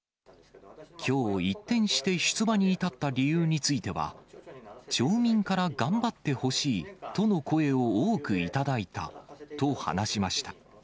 きょう、一転して出馬に至った理由については、町民から頑張ってほしいとの声を多く頂いたと話しました。